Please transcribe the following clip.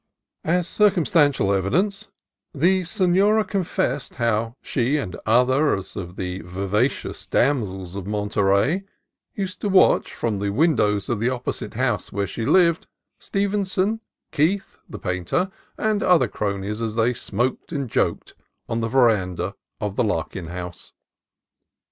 As circumstantial evidence, the senora confessed how she and others of the vivacious dam sels of Monterey used to watch, from the windows of the opposite house, where she lived, Stevenson, Keith the painter, and other cronies as they smoked and joked on the veranda of the Larkin house.